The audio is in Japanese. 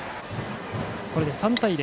これで３対０。